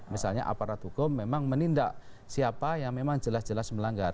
misalnya aparat hukum memang menindak siapa yang memang jelas jelas melanggar